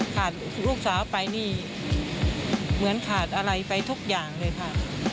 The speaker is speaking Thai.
ลูกสาวไปนี่เหมือนขาดอะไรไปทุกอย่างเลยค่ะ